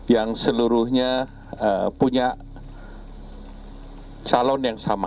yang seluruhnya punya calon yang sama